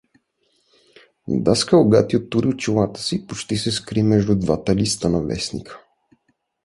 Даскал Гатю тури очилата си и почти се скри между двата листа на вестника.